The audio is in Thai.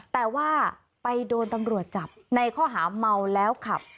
แต่ว่าไปโดนตำรวจจับในข้อหาเมาแล้วขับ